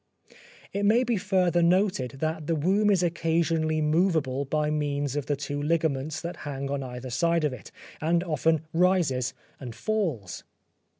It may be further noted that the womb is occasionally moveable by means of the two ligaments that hang on either side of it, and often rises and falls.